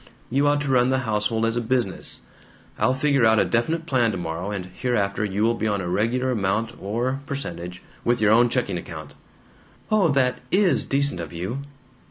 You ought to run the household as a business. I'll figure out a definite plan tomorrow, and hereafter you'll be on a regular amount or percentage, with your own checking account." "Oh, that IS decent of you!"